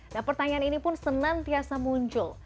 nah pertanyaan ini pun senantiasa muncul